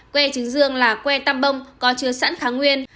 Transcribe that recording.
que chứng dương là que tăm bông có chưa sẵn kháng nguyên